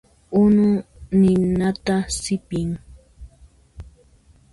Unu ninata sipin.